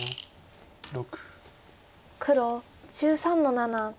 黒１３の七。